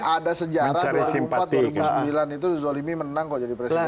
ada sejarah dua ribu empat dua ribu sembilan itu zolimi menang kok jadi presiden